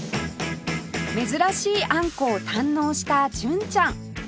珍しいあんこを堪能した純ちゃん